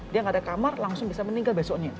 dia nggak ada kamar langsung bisa meninggal besoknya